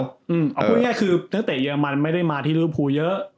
เอาพูดง่ายคือนักเตะเยอรมันไม่ได้มาที่ริวภูเยอะ